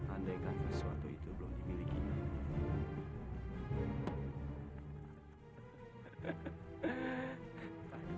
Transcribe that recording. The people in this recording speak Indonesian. andai kan sesuatu itu belum dimilikinya